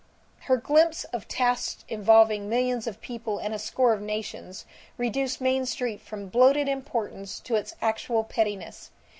Her glimpse of tasks involving millions of people and a score of nations reduced Main Street from bloated importance to its actual pettiness.